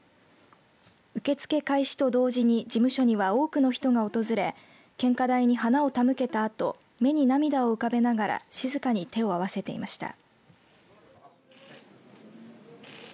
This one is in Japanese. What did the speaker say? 受け付け開始と同時に事務所には多くの人が訪れ献花台に花を手向けたあと目に涙を浮かべながら静かに手を合わせていました。